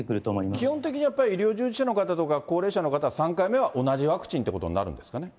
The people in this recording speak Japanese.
基本的にやっぱり、医療従事者の方とか高齢者の方、３回目は同じワクチンということになるんですかね？